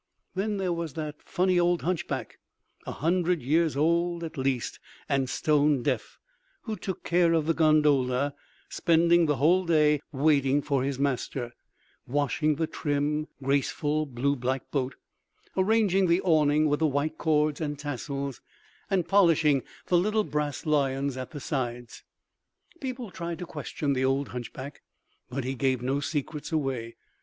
Then there was that funny old hunchback, a hundred years old at least, and stone deaf, who took care of the gondola, spending the whole day, waiting for his master, washing the trim, graceful, blue black boat, arranging the awning with the white cords and tassels, and polishing the little brass lions at the sides. People tried to question the old hunchback, but he gave no secrets away.